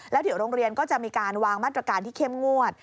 แล้วเดี๋ยวโรงเรียนก็จะมีการวางมาตรการที่เข้มงวด